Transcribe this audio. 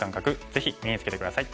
ぜひ身につけて下さい。